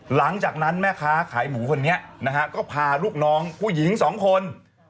หลังจากนั้นแม่ค้าขายหมูคนนี้นะฮะก็พาลูกน้องผู้หญิงสองคน